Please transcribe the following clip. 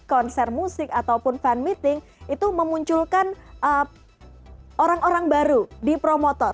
konser musik ataupun fan meeting itu memunculkan orang orang baru di promotor